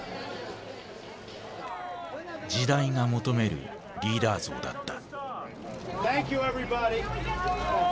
時代が求めるリーダー像だった。